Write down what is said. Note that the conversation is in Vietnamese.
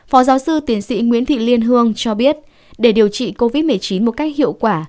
phó giáo sư tiến sĩ nguyễn thị liên hương cho biết để điều trị covid một mươi chín một cách hiệu quả